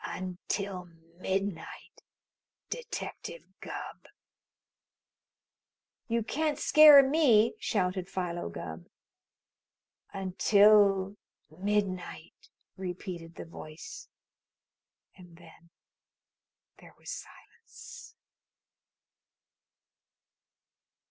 Until midnight, Detective Gubb!" "You can't scare me!" shouted Philo Gubb. "Until midnight!" repeated the voice, and then there was silence.